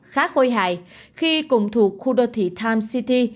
khá khôi hại khi cùng thuộc khu đô thị times city